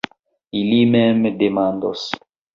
Ili mem demandos.